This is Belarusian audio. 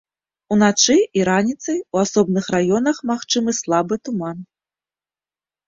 Уначы і раніцай у асобных раёнах магчымы слабы туман.